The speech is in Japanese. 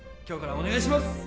今日からお願いします